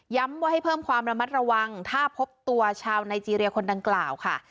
ว่าให้เพิ่มความระมัดระวังถ้าพบตัวชาวไนเจรียคนดังกล่าวค่ะ